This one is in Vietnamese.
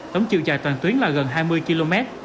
tổng chiều dài toàn tuyến là gần hai mươi km